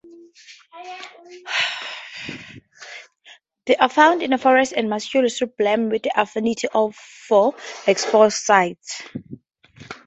They are found in forest and maquis shrubland, with an affinity for exposed sites.